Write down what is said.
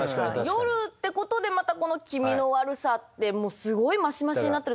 夜ってことでまた気味の悪さってすごいマシマシになってると思うんですよ。